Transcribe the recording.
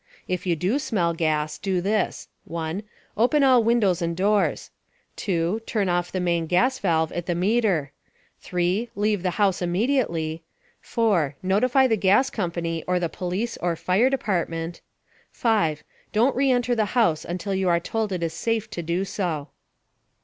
If you smell gas, do this: (1) Open all windows and doors, (2) Turn off the main gas valve at the meter, (3) Leave the house immediately, (4) Notify the gas company or the police or fire department, (5) Don't re enter the house until you are told it is safe to do so.